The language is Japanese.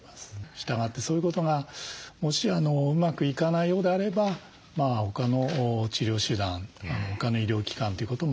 したがってそういうことがもしうまくいかないようであれば他の治療手段他の医療機関ということもあるかもしれません。